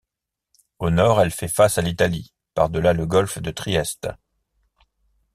Au nord, elle fait face à l'Italie, par-delà le golfe de Trieste.